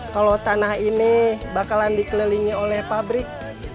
kalau tanah ini bakalan dikelilingi oleh pabrik